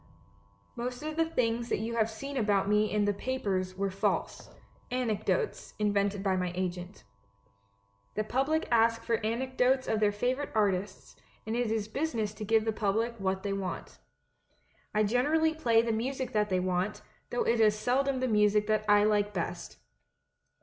"Most of the things that you have seen about me in the papers were false — anecdotes invented by my agent. The public ask for anecdotes of their favourite artists, and it is business to give the public what they want. I generally play the music that they want, though it is seldom the music that I like best.